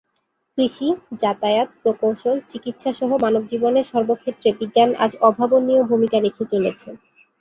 কৃষি, যাতায়াত, প্রকৌশল, চিকিৎসাসহ মানবজীবনের সর্বক্ষেত্রে বিজ্ঞান আজ অভাবনীয় ভূমিকা রেখে চলেছে।